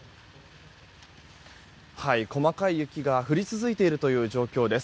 細かい雪が降り続いている状況です。